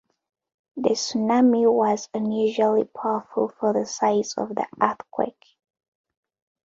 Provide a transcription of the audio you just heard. The tsunami was unusually powerful for the size of the earthquake.